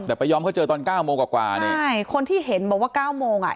แต่ไปยอมเขาเจอตอนเก้าโมงกว่ากว่านี่ใช่คนที่เห็นบอกว่าเก้าโมงอ่ะ